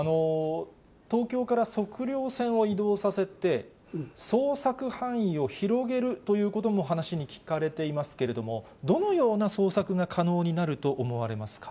東京から測量船を移動させて、捜索範囲を広げるということも話に聞かれていますけれども、どのような捜索が可能になると思われますか。